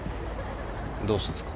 どうしたんですか？